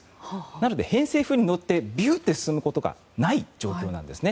なので偏西風に乗ってビューッと進むことがない状況なんですね。